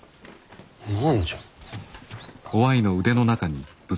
何じゃ。